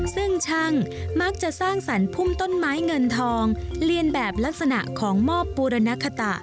ซึ่งช่างมักจะสร้างสรรคุ่มต้นไม้เงินทองเรียนแบบลักษณะของมอบบูรณคตะ